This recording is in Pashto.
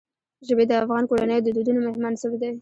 ژبې د افغان کورنیو د دودونو مهم عنصر دی.